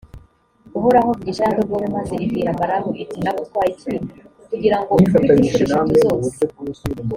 uhoraho avugisha ya ndogobe, maze ibwira balamu, iti «nagutwaye iki kugira ngo unkubite incuro eshatu zose?»